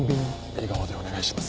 笑顔でお願いします。